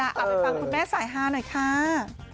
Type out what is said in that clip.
เอาไปฟังคุณแม่สายฮาหน่อยค่ะ